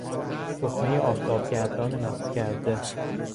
تخمهی آفتابگردان مغز کرده